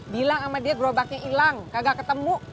bilang sama dia gerobaknya hilang kagak ketemu